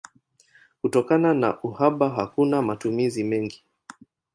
Kutokana na uhaba hakuna matumizi mengi.